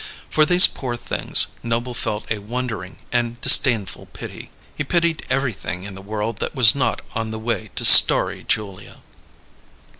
For these poor things, Noble felt a wondering and disdainful pity; he pitied everything in the world that was not on the way to starry Julia.